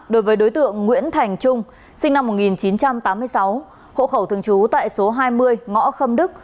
đối với đối tượng nguyễn thành trung sinh năm một nghìn chín trăm tám mươi sáu hộ khẩu thường trú tại số hai mươi ngõ khâm đức